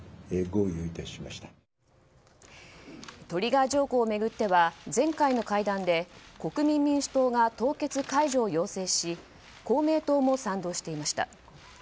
トリガー条項を巡っては前回の会談で国民民主党が凍結解除を要請し公明党も賛同していました。